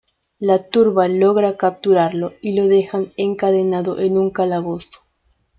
La turba logra capturarlo y lo dejan encadenado en un calabozo.